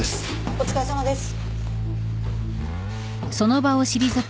お疲れさまです。